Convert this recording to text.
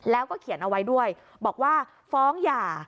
แล้วก็เขียนเอาไว้ด้วยบอกว่าฟ้องหย่า